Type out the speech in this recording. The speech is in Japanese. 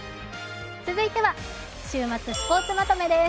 続いては週末スポーツまとめです。